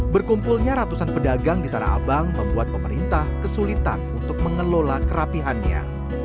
berkumpulnya ratusan pedagang di tanah abang membuat pemerintah kesulitan untuk mengelola kerapihannya